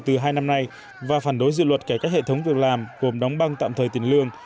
từ hai năm nay và phản đối dự luật cải cách hệ thống việc làm gồm đóng băng tạm thời tiền lương